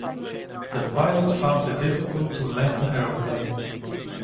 The pilot found it difficult to land the aeroplane.